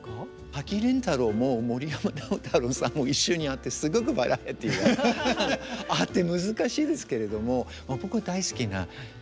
滝廉太郎も森山直太朗さんも一緒にあってすごくバラエティーがあって難しいですけれども。